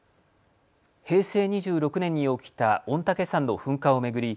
平成２６年に起きた御嶽山の噴火を巡り